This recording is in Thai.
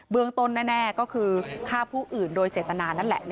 เมืองต้นแน่ก็คือฆ่าผู้อื่นโดยเจตนานั่นแหละ